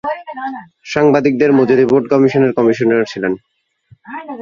সাংবাদিকদের মজুরি বোর্ড কমিশনের কমিশনার ছিলেন।